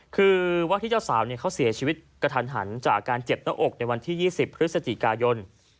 คือว่าที่เจ้าสาวเขาเสียชีวิตกระทันหันจากการเจ็บหน้าอกในวันที่๒๐พฤศจิกายน